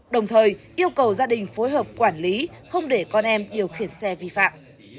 đồng thời yêu cầu gia đình phối hợp quản lý không để con em điều khiển xe vi phạm